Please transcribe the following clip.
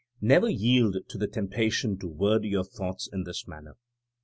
Never yield to the temptation to word your thoughts in this manner.